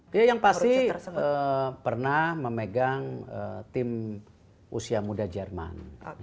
dia yang pasti pernah memegang tim usia muda jerman